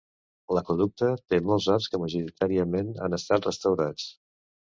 L'aqüeducte té molts arcs que majoritàriament han estat restaurats.